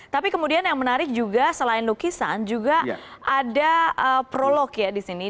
tapi kemudian yang menarik juga selain lukisan juga ada prolog ya di sini